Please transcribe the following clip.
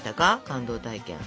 感動体験。